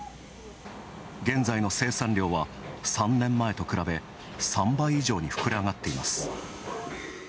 現在の生産量は３年前と比べ３倍以上に膨れ上がっています。